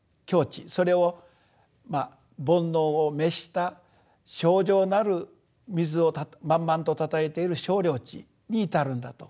それを煩悩を滅した清浄なる水を満々とたたえている清涼池に至るんだと。